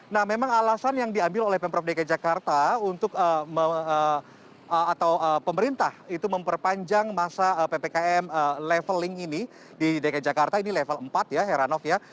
nah memang alasan yang diambil oleh pemprov dki jakarta untuk atau pemerintah itu memperpanjang masa ppkm leveling ini di dki jakarta ini level empat ya heranov ya